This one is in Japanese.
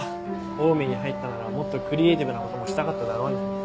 オウミに入ったならもっとクリエーティブなこともしたかっただろうに。